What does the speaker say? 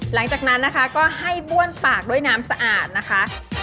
หลังจากนั้นนะคะก็ให้บ้วนปากด้วยน้ำสะอาดนะคะ